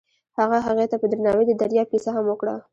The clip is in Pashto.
هغه هغې ته په درناوي د دریاب کیسه هم وکړه.